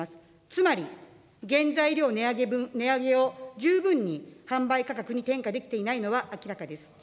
つまり、原材料値上げを十分に販売価格に転嫁できていないのは明らかです。